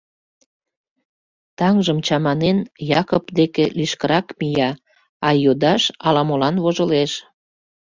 Таҥжым чаманен, Якып деке лишкырак мия, а йодаш ала-молан вожылеш.